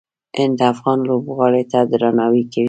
هند افغان لوبغاړو ته درناوی کوي.